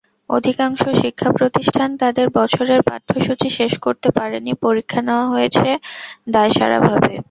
অধিকাংশ শিক্ষাপ্রতিষ্ঠান তাদের বছরের পাঠ্যসূচি শেষ করতে পারেনি, পরীক্ষা নেওয়া হয়েছে দায়সারাভাবে।